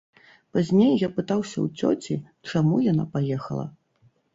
Пазней я пытаўся ў цёці, чаму яна паехала.